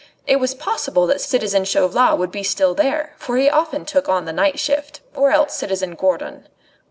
It was possible that citizen Chauvelin would be still there, for he often took on the night shift, or else citizen Gourdon.